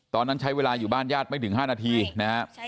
ตอนนั้นใช้เวลาอยู่บ้านญาติไม่ถึง๕นาทีนะฮะ